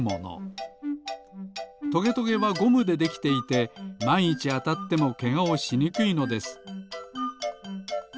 トゲトゲはゴムでできていてまんいちあたってもけがをしにくいのです。